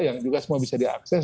yang juga semua bisa diakses